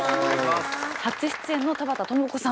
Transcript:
初出演の田畑智子さん。